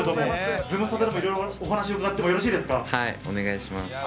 お願いします。